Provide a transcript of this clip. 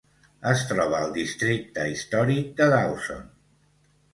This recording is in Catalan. Es troba al districte històric de Dawson.